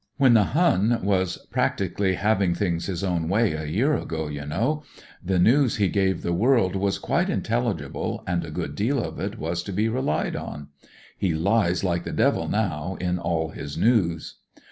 " When the Hun was practically having things his own way a year ago, you know, the news he gave the world was quite intelligible, and a good deal of it was to be relied on. He lies like the devil now in all his news.